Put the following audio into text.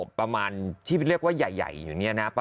ดำเนินคดีต่อไปนั่นเองครับ